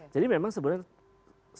jadi memang sebenarnya